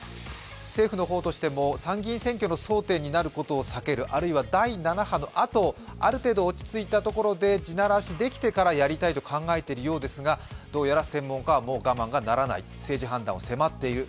政府の方としても参議院議員選挙の前ですしあるいは第７波のあと、ある程度落ち着いたところで地ならしできてからやりたいと考えているようですがどうやら専門家はもう我慢がならない、政治判断が迫っている。